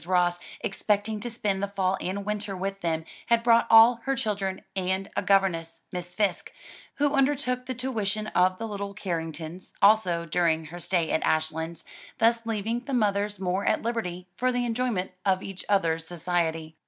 Ross, expecting to spend the fall and winter with them, had brought all her children and a governess, Miss Fisk, who undertook the tuition of the little Carringtons also during her stay at Ashlands, thus leaving the mothers more at liberty for the enjoyment of each other's society.